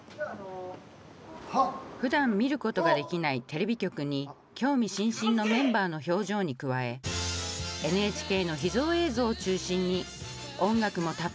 ふだん見ることができないテレビ局に興味津々のメンバーの表情に加えＮＨＫの秘蔵映像を中心に音楽もたっぷりお届け。